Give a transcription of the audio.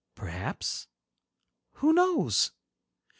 Perhaps? Who knows?